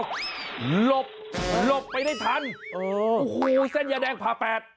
หลบหลบไปได้ทันโอ้โหเส้นยาแดงผ่าแปด